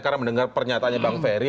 karena mendengar pernyatanya bang ferry